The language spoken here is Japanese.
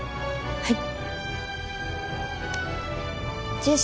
はい。